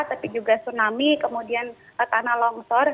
tapi juga tsunami kemudian tanah longsor